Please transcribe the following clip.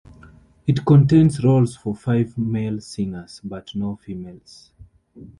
It contains roles for five male singers, but no females.